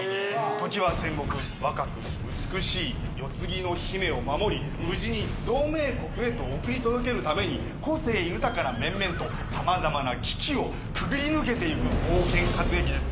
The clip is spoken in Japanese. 時は戦国若く美しい世継ぎの姫を守り無事に同盟国へと送り届けるために個性豊かな面々と様々な危機をくぐり抜けていく冒険活劇です。